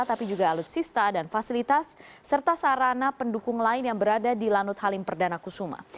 tapi juga alutsista dan fasilitas serta sarana pendukung lain yang berada di lanut halim perdana kusuma